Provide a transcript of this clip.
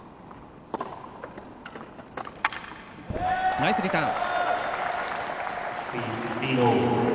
ナイスリターン。